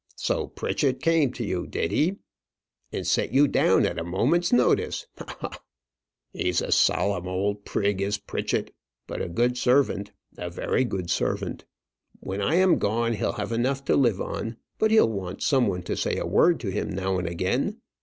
"So Pritchett came to you, did he? and sent you down at a moment's notice? ha! ha! He's a solemn old prig, is Pritchett; but a good servant; a very good servant. When I am gone, he'll have enough to live on; but he'll want some one to say a word to him now and again.